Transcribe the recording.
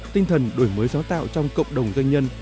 tinh thần đổi mới sáng tạo trong cộng đồng doanh nhân